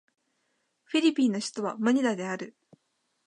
フィリピンの首都はマニラである